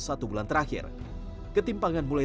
satu bulan terakhir ketimpangan mulai